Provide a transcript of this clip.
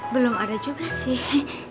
belum ada juga sih